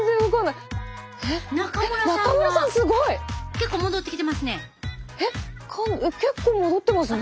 結構戻ってきてますね。